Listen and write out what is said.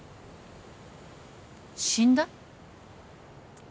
死んだ？